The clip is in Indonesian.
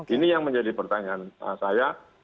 ini yang menjadi pertanyaan saya